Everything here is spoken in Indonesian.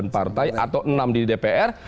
delapan partai atau enam di dpr